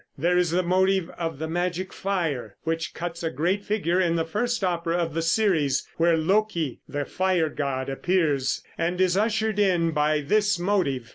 There is the motive of "the magic fire," which cuts a great figure in the first opera of the series, where Loki, the fire god, appears and is ushered in by this motive.